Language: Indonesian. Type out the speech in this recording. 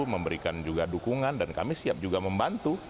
memberikan juga dukungan dan kami siap juga membantu